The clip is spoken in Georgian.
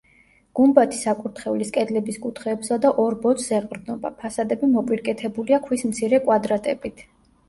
გუმბათი საკურთხევლის კედლების კუთხეებსა და ორ ბოძს ეყრდნობა, ფასადები მოპირკეთებულია ქვის მცირე კვადრატებით.